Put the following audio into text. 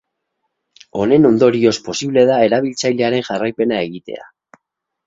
Honen ondorioz posible da erabiltzailearen jarraipena egitea.